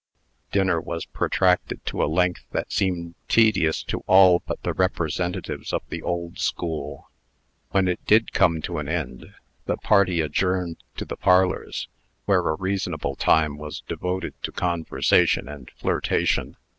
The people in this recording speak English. Dinner was protracted to a length that seemed tedious to all but the representatives of the old school. When it did come to an end, the party adjourned to the parlors, where a reasonable time was devoted to conversation and flirtation.